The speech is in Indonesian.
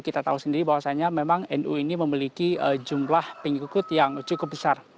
kita tahu sendiri bahwasannya memang nu ini memiliki jumlah pengikut yang cukup besar